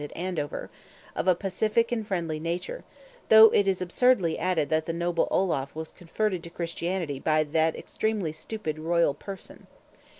at Andover, of a pacific and friendly nature, though it is absurdly added that the noble Olaf was converted to Christianity by that extremely stupid Royal Person.